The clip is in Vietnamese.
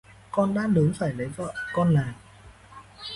Con đã lớn phải lấy vợ, con nà!